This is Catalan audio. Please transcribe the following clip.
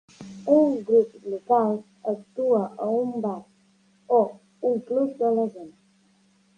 Un grup local actua a un bar o un club de la zona.